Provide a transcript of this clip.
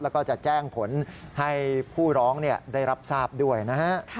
แล้วก็จะแจ้งผลให้ผู้ร้องได้รับทราบด้วยนะฮะ